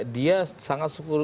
dia sangat sekuritinya